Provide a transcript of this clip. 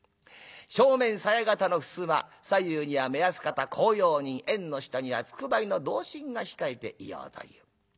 正面さや形のふすま左右には目安方公用人縁の下にはつくばいの同心が控えていようという。